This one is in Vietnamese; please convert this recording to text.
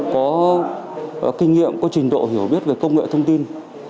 có kinh nghiệm có trình độ hiểu biết về công nghệ thông tin